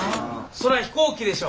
そら飛行機でしょ。